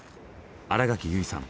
新垣結衣さん